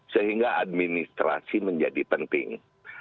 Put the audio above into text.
sehingga administrasi menjadi penting